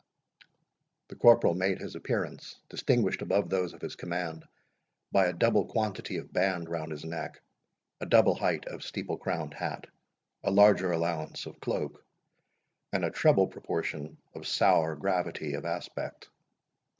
The corporal made his appearance, distinguished above those of his command by a double quantity of band round his neck, a double height of steeple crowned hat, a larger allowance of cloak, and a treble proportion of sour gravity of aspect.